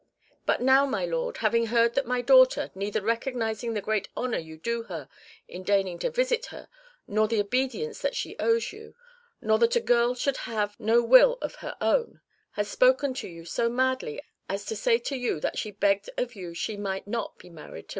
But now, my lord, having heard that my daughter, neither recognising the great honour you do her in deigning to visit her, nor the obedience that she owes you, nor that a girl should have no will of her own, has spoken to you so madly as to say to you that she begged of you she might not be married to M.